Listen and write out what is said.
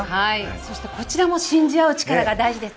そして、こちらも信じ合う力が大事です。